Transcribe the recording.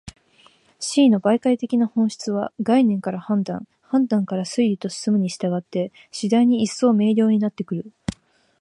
思惟の媒介的な本質は、概念から判断、判断から推理と進むに従って、次第に一層明瞭になってくる。